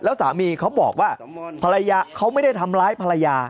แล้วสามีเขาบอกว่าภรรยาเขาไม่ได้ทำร้ายภรรยา